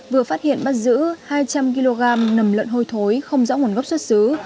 vừa phát hiện bắt giữ hai trăm linh kg nầm lợn hơi thối không rõ nguồn gốc xuất xứ